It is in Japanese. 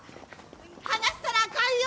離したらあかんよ！